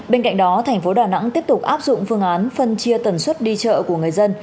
bên cạnh đó thành phố đà nẵng tiếp tục áp dụng phương án phân chia tần suất đi chợ của người dân